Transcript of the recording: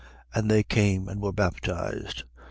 And they came and were baptized.